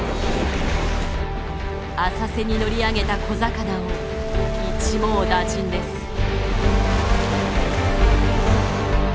浅瀬に乗り上げた小魚を一網打尽です。